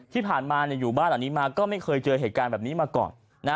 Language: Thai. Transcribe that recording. ที่ผ่านมาอยู่บ้านหลังนี้มาก็ไม่เคยเจอเหตุการณ์แบบนี้มาก่อน